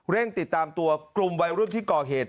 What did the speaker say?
ติดตามตัวกลุ่มวัยรุ่นที่ก่อเหตุ